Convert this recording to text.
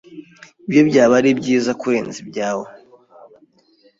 ibye byaba ari byiza kurenza ibyawe